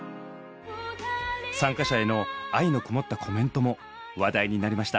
参加者への愛のこもったコメントも話題になりました。